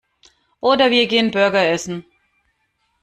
Oder wir gehen Burger essen.